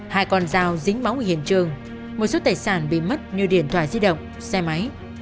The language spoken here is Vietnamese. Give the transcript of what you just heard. hai con dao dính máu ở hiện trường một số tài sản bị mất như điện thoại di động xe máy